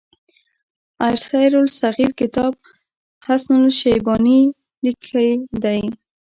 السير الصغير کتاب حسن الشيباني ليکی دی.